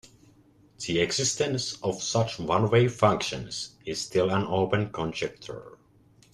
The existence of such one-way functions is still an open conjecture.